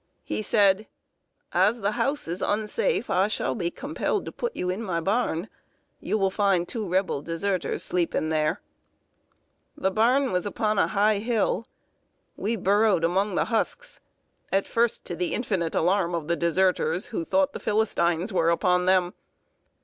He said: "As the house is unsafe, I shall be compelled to put you in my barn. You will find two Rebel deserters sleeping there." The barn was upon a high hill. We burrowed among the husks, at first to the infinite alarm of the deserters, who thought the Philistines were upon them.